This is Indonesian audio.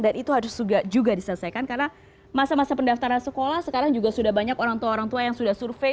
dan itu harus juga diselesaikan karena masa masa pendaftaran sekolah sekarang juga sudah banyak orang tua orang tua yang sudah survei